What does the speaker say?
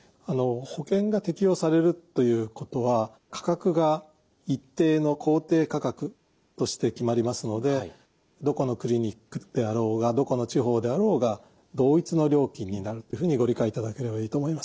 保険が適用されるということは価格が一定の公定価格として決まりますのでどこのクリニックであろうがどこの地方であろうが同一の料金になるというふうにご理解いただければいいと思います。